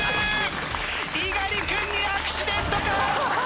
猪狩君にアクシデントか？